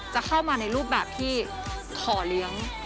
จะเข้ามาในรูปแบบที่ขอเลี้ยง